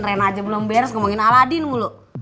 reina aja belum beres ngomongin aladin dulu